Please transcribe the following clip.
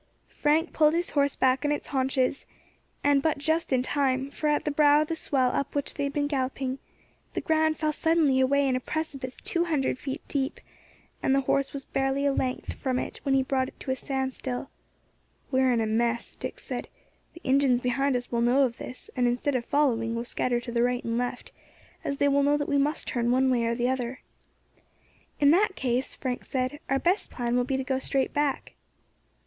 Frank pulled his horse back on its haunches, and but just in time, for at the brow of the swell up which they had been galloping, the ground fell suddenly away in a precipice two hundred feet deep, and the horse was barely a length from it when he brought it to a standstill. "We are in a mess," Dick said. "The Injins behind us will know of this, and instead of following will scatter to the right and left, as they will know that we must turn one way or the other." "In that case," Frank said, "our best plan will be to go straight back."